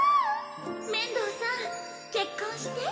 面堂さん結婚して